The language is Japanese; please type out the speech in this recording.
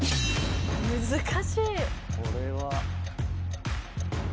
難しい。